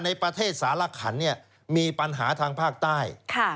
ในประเทศสารขันมีปัญหาทางภาคใต้